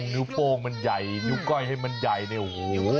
นิ้วโป้งมันใหญ่นิ้วก้อยให้มันใหญ่เนี่ยโอ้โห